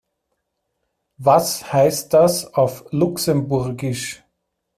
Was heißt das auf Luxemburgisch?